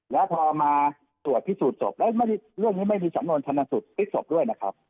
แล้วพอมาตรวจพิสูจนศพแล้วเรื่องนี้ไม่มีสำนวนชนสูตรพลิกศพด้วยนะครับ